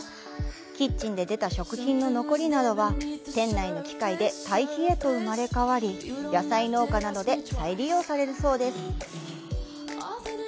キッチンで出た食品の残りなどは店内の機械で堆肥へと生まれ変わり野菜農家などで再利用されるそうです。